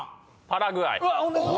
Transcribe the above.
「パラグアイ」